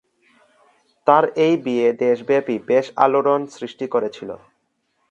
তার এই বিয়ে দেশব্যাপী বেশ আলোড়ন সৃষ্টি করেছিল।